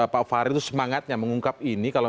pak fahri itu semangatnya mengungkap ini kalau